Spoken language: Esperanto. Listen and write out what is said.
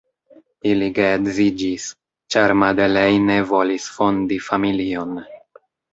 Ili geedziĝis, ĉar Madeleine volis fondi familion.